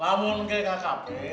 nah lamun ke kkp